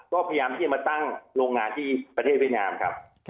ก็พยายามที่จะมาตั้งโรงงานที่ประเทศเวียดนามครับ